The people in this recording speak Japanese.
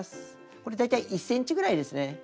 これ大体１ｃｍぐらいですね。